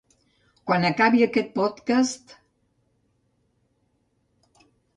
Quan acabi aquest podcast….